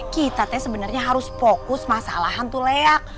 kita teh sebenarnya harus fokus masalah hantu leak